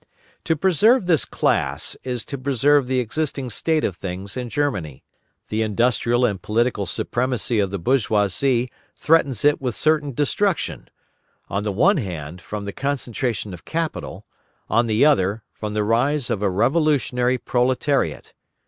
To preserve this class is to preserve the existing state of things in Germany. The industrial and political supremacy of the bourgeoisie threatens it with certain destruction; on the one hand, from the concentration of capital; on the other, from the rise of a revolutionary proletariat.